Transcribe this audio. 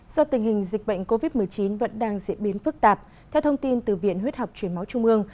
do tình hình dịch bệnh covid một mươi chín vẫn đang diễn biến phức tạp theo thông tin từ viện huyết học truyền máu trung ương